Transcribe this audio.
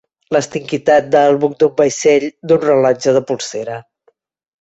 L'estanquitat del buc d'un vaixell, d'un rellotge de polsera.